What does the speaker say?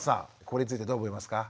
これについてどう思いますか？